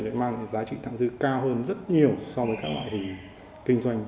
nó mang giá trị thẳng dư cao hơn rất nhiều so với các loại hình kinh doanh